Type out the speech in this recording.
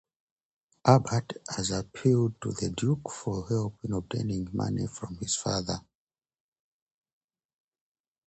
Albert has appealed to the Duke for help in obtaining money from his father.